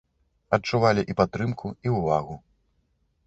Адчувалі і падтрымку, і ўвагу.